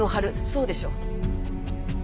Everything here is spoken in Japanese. そうでしょ？